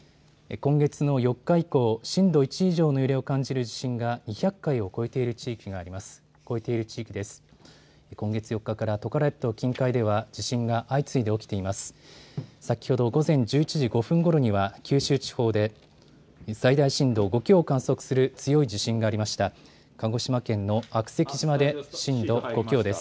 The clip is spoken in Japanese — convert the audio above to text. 今月の４日以降、震度１以上の揺れを感じる地震が２００回を超えている地域です。